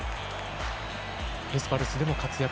エスパルスでも活躍。